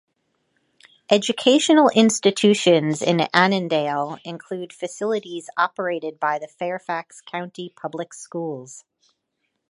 Educational institutions in Annandale include facilities operated by the Fairfax County Public Schools.